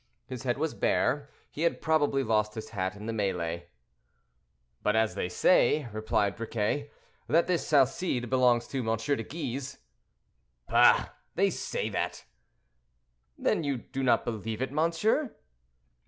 His head was bare; he had probably lost his hat in the melée. "But as they say," replied Briquet, "that this Salcede belongs to M. de Guise—" "Bah! they say that!" "Then you do not believe it, monsieur?"